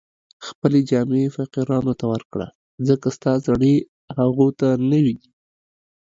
خپلې جامې فقیرانو ته ورکړه، ځکه ستا زړې هغو ته نوې دي